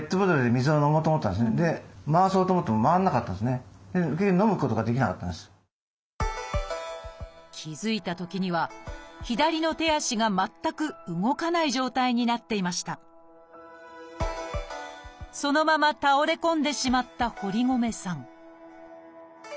当初は食あたりを疑った堀米さんでしたが気付いたときには左の手足が全く動かない状態になっていましたそのまま倒れ込んでしまった堀米さん